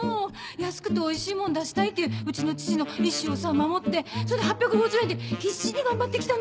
安くておいしいもん出したいっていううちの父の意志を守ってそれで８５０円で必死に頑張って来たのに。